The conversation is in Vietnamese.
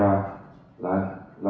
rõ ràng là